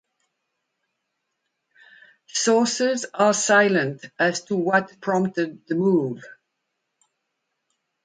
Sources are silent as to what prompted the move.